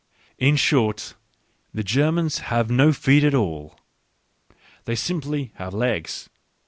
In short, the Germans have no feet at all, they simply have legs.